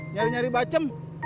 nyari nyari bacem